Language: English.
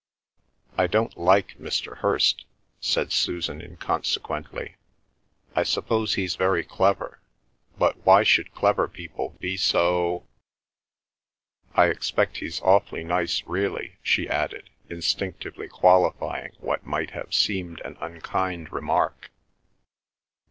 "I don't like Mr. Hirst," said Susan inconsequently. "I suppose he's very clever, but why should clever people be so—I expect he's awfully nice, really," she added, instinctively qualifying what might have seemed an unkind remark.